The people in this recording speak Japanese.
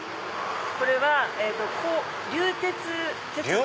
これは流鉄鉄道。